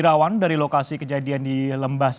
lalu apakah kini olah tkp ini sudah dilakukan di sana hendri